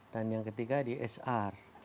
dan yang ketiga di hr